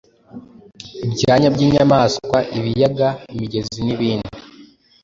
ibyanya by’inyamaswa, ibiyaga, imigezi n’ibindi.